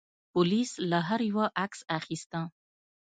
پولیس له هر یوه عکس اخیسته.